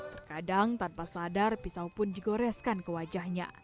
terkadang tanpa sadar pisau pun digoreskan ke wajahnya